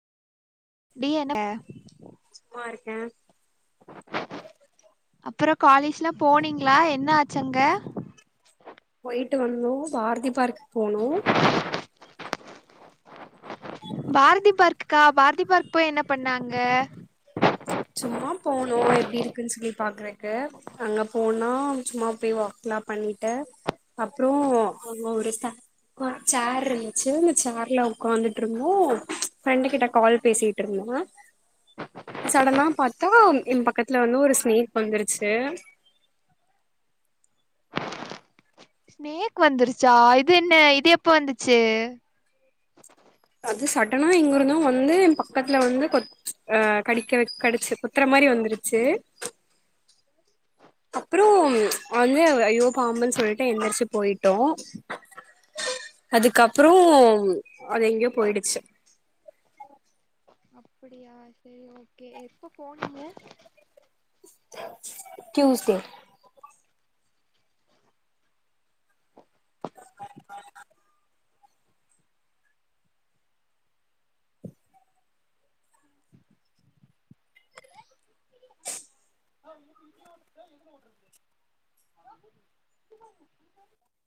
டிய [unintelligible] K அப்புறோ காலேஜ்லா போனீங்களா என்ன ஆச்சு அங்க போய்ட்டு வந்தோ பாரதி பார்க்க போனோம் பாரதி பார்குக்கா பாரதி பார்க் போயி என்ன பண்ணாங்க சும்மா போனோம் எப்டி இருக்குன்னு சொல்லி பாக்குறக்கு அங்க போனா சும்மா போய் வாக்லாம் பண்ணிட்டு. அப்றம் அங்க ஒரு சேர் இருந்துச்சு சேர்ல உட்காந்துட்ருந்தோம் ஃப்ரெண்டு கிட்ட கால் பேசிட்டு இருந்தோம். சடனா பாத்தா எ பக்கத்துல வந்து ஒரு ஸ்நேக் வந்துருச்சு ஸ்நேக் வந்துருச்சா இது என்ன இது எப்ப வந்துச்சு அது சடனா எங்கிருந்தோ வந்து என் பக்கத்துல வந்து கொத் அ கடிக்க கடிச்சு கொத்துற மாரி வந்துருச்சு அப்புறோ வந்து ஐயோ பாம்புன் சொல்லிட்டு எந்திரிச்சு போயிட்டோ அதுக்கப்புறோ அது எங்யோ போயிடுச்சு ப்படியா செரி ஓகே எப்ப போனீங்க டியூஸ்டே [inaudible]